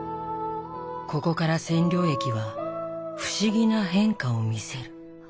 ここから染料液は不思議な変化を見せる。